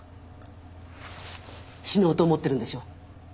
死のうと思ってるんでしょう？